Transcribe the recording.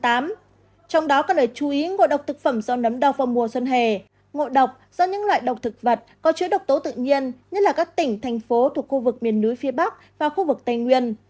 trong đó cần lời chú ý ngộ độc thực phẩm do nấm đau vào mùa xuân hè ngộ độc do những loại độc thực vật có chứa độc tố tự nhiên nhất là các tỉnh thành phố thuộc khu vực miền núi phía bắc và khu vực tây nguyên